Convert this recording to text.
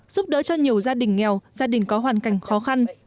giúp đỡ cho nhiều gia đình nghèo gia đình có hoàn cảnh khó khăn